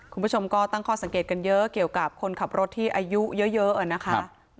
คุณผู้ชมก็ตั้งข้อสังเกตกันเยอะเกี่ยวกับคนขับรถที่อายุเยอะนะคะ